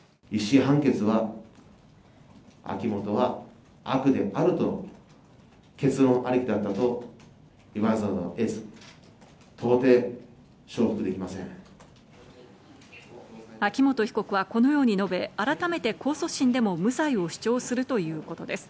秋元被告はこのように述べ、改めて控訴審でも無罪を主張するということです。